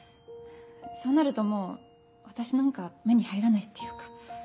そうなるともう私なんか目に入らないっていうか。